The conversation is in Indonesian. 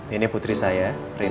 ini putri saya